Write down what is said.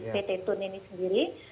pt tun ini sendiri